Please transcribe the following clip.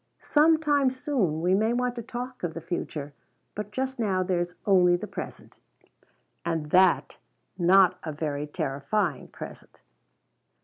Some time soon we may want to talk of the future, but just now there's only the present. And not a very terrifying present.